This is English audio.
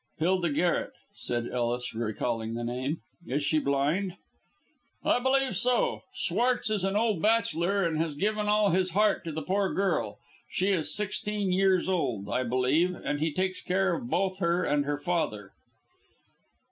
"Hilda Garret," said Ellis, recalling the name; "is she blind?" "I believe so. Schwartz is an old bachelor, and has given all his heart to the poor girl. She is sixteen years old, I believe, and he takes care both of her and her father."